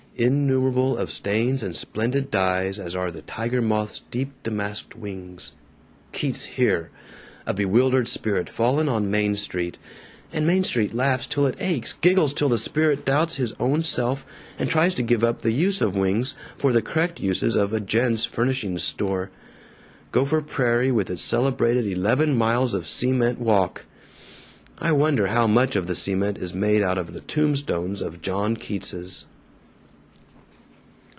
'Innumerable of stains and splendid dyes as are the tiger moth's deep damask'd wings.' Keats, here! A bewildered spirit fallen on Main Street. And Main Street laughs till it aches, giggles till the spirit doubts his own self and tries to give up the use of wings for the correct uses of a 'gents' furnishings store.' Gopher Prairie with its celebrated eleven miles of cement walk. ... I wonder how much of the cement is made out of the tombstones of John Keatses?"